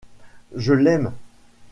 Je l'aime.